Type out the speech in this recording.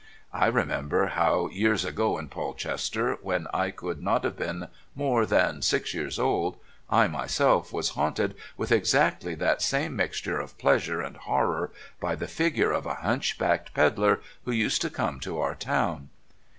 I remember how, years ago in Polchester, when I could not have been more than six years old, I myself was haunted with exactly that same mixture of pleasure and horror by the figure of a hunch backed pedlar who used to come to our town.